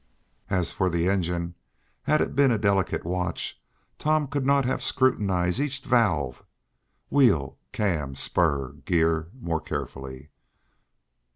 As for the engine, had it been a delicate watch, Tom could not have scrutinized each valve, wheel, cam and spur gear more carefully.